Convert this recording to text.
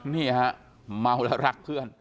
นี่ฮะเมาแล้วรักเพื่อน